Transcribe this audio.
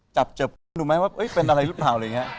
จับเจอดูมั้ยว่าเป็นอะไรหรือเปล่า